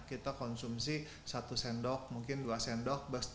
kita konsumsi satu sendok mungkin dua sendok